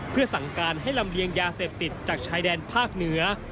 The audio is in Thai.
เพื่อสั่งการให้ลำเลียงยาเสพติดจากชายแดนภาคเหนือ